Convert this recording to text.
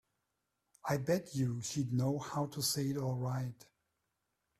I bet you she'd know how to say it all right.